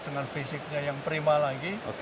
dengan fisiknya yang prima lagi